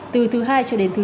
từ thứ hai cho đến thứ sáu